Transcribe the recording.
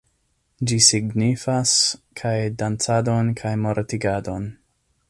Ĝi signifas kaj dancadon kaj mortigadon